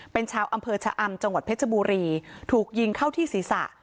เป็นชาวอำเภอชะอำจังหวัดเพชรบุรีถูกยิงเข้าที่ศีรษะ